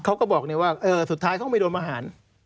เขาก็บอกเลยว่าสุดท้ายเขาไม่โดนประหาร